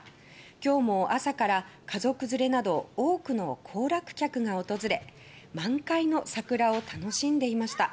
きょうも朝から家族連れなど多くの行楽客が訪れ満開のサクラを楽しんでいました。